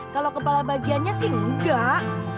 kalau kepala bagiannya sih enggak